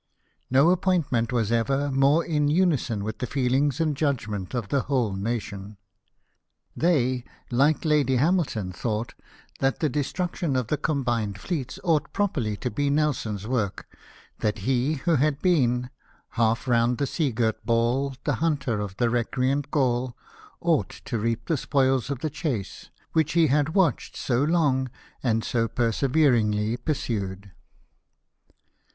No appointment was ever more in unison with the feelings and judgment of the whole nation. They, like Lady Hamilton, thought that the de struction of the combined fleets ought properly to be Nelson's work ; that he who had been '' Half around the sea girt ball, The hunter of the recreant Gaul, ""Songs of Trafalgar." 298 LIFE OF NELSON. ought to reap the spoils of the chase, which he had watched so long and so perseveringly pursued.